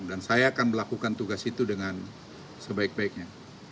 dan saya akan melakukan tugas itu dengan sebaik baiknya